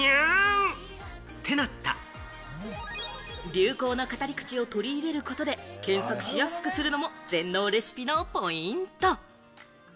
流行の語り口を取り入れることで、検索しやすくなるのも全農レシピのポイント。